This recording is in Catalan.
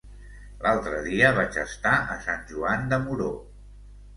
L'altre dia vaig estar a Sant Joan de Moró.